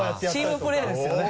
チームプレーですよね。